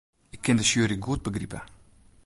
Ik kin de sjuery goed begripe.